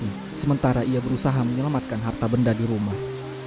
ini sementara ia berusaha menyelamatkan harta benda di rumah